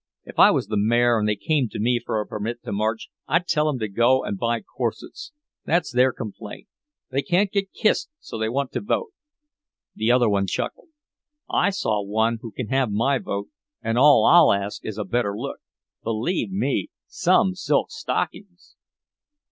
"If I was the mayor and they came to me for a permit to march I'd tell 'em to go and buy corsets. That's their complaint. They can't get kissed so they want to vote." The other one chuckled: "I saw one who can have my vote and all I'll ask is a better look. Believe me, some silk stockings!"